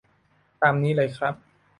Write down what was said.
ตามนี้เลยครับ